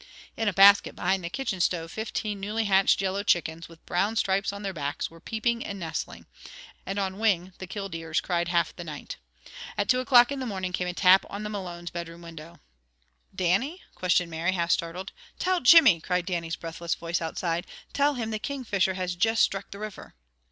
In a basket behind the kitchen stove fifteen newly hatched yellow chickens, with brown stripes on their backs, were peeping and nestling; and on wing the killdeers cried half the night. At two o'clock in the morning came a tap on the Malone's bedroom window. "Dannie?" questioned Mary, half startled. "Tell Jimmy!" cried Dannie's breathless voice outside. "Tell him the Kingfisher has juist struck the river!"